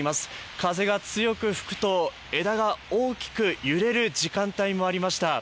風が強く吹くと枝が大きく揺れる時間帯もありました。